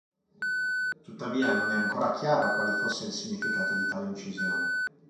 Tuttavia non è ancora chiaro quale fosse il significato di tale incisione.